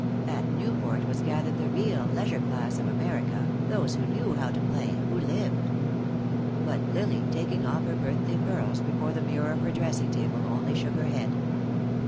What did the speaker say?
At Newport was gathered the real leisure class of America, those who knew how to play, who lived. But Lily, taking off her birthday pearls before the mirror of her dressing table, only shook her head.